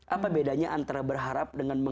apa bedanya antara berharap dengan